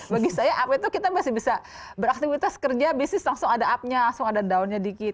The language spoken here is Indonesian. bagi saya up itu kita masih bisa beraktivitas kerja bisnis langsung ada up nya langsung ada downnya dikit